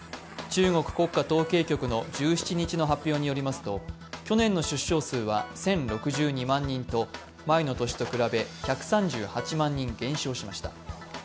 中国国家統計局の１７日の発表によりますと、去年の出生数は１０６２万人と前の年と比べ、１３８万人減少しました。